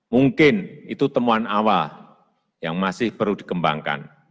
mungkin itu temuan awal yang masih perlu dikembangkan